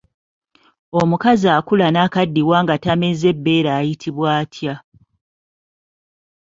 Omukazi akula n'akaddiwa nga tameze bbeere ayitibwa atya?